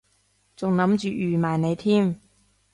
仲諗住預埋你添